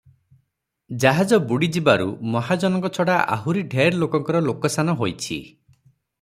ଜାହାଜ ବୁଡ଼ିଯିବାରୁ ମହାଜନଙ୍କ ଛଡ଼ା ଆହୁରି ଢେର ଲୋକଙ୍କର ଲୋକସାନ ହୋଇଛି ।